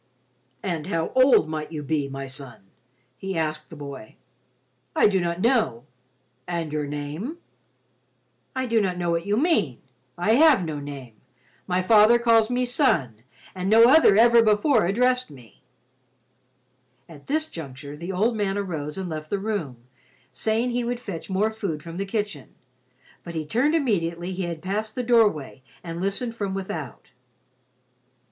"And how old might you be, my son?" he asked the boy. "I do not know." "And your name?" "I do not know what you mean. I have no name. My father calls me son and no other ever before addressed me." At this juncture, the old man arose and left the room, saving he would fetch more food from the kitchen, but he turned immediately he had passed the doorway and listened from without.